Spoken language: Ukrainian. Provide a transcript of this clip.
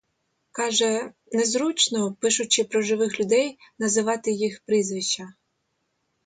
Каже: не зручно, пишучи про живих людей, називати їх прізвища.